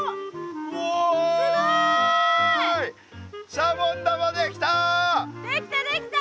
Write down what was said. シャボン玉できた！